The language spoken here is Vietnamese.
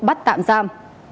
bắt tạm giam